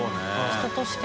人として。